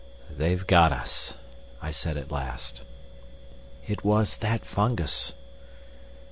"They've got us," I said at last. "It was that fungus."